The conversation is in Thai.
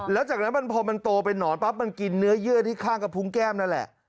แล้วจากนั้นพอมันโตเป็นนอนปั๊บมันกินเนื้อเยื่อที่ข้างกระพุงแก้มนั่นแหละ